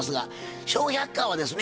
「笑百科」はですね